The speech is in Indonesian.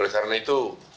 oleh karena itu